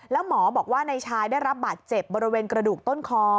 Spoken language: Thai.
แล้วหมอบอกว่านายชายได้รับบาดเจ็บบริเวณกระดูกต้นคอ